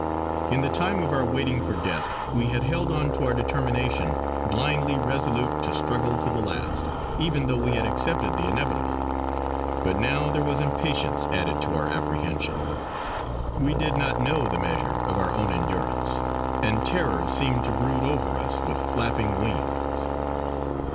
In the time of our waiting for death we had held on to our determination, blindly resolute to struggle to the last; even though we had accepted the inevitable. But now there was impatience added to our apprehension. We did not know the measure of our own endurance; and Terror seemed to brood over us with flapping wings.